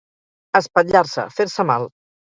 Espatllar-se, fer-se mal.